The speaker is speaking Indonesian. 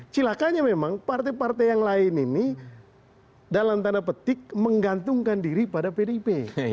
cilakanya memang partai partai yang lain ini dalam tanda petik menggantungkan diri pada pdip